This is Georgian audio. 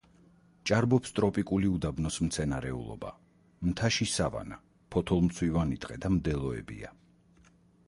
ჭარბობს ტროპიკული უდაბნოს მცენარეულობა, მთაში სავანა, ფოთოლმცვივანი ტყე და მდელოებია.